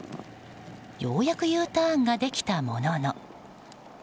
ようやくＵターンできたものの。